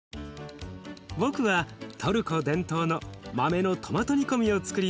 僕はトルコ伝統の豆のトマト煮込みをつくります。